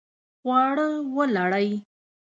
خواړه ولړئ